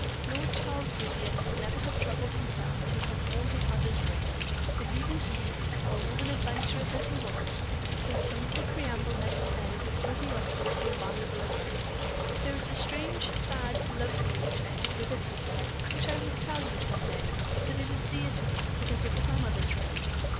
Lord Charles Vivianne would never have troubled himself to have worn his mother's ring; but even he, bold and adventurous as he was, thought some little preamble necessary before he offered her so valuable a gift. "There is a strange, sad love story connected with it," he said, "which I will tell you some day; but it is dear to me, because it was my mother's ring."